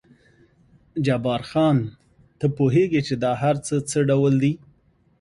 جبار خان، ته پوهېږې چې دا هر څه څه ډول دي؟